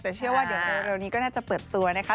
แต่เชื่อว่าเรานี้ก็น่าจะเปิดตัวนะคะ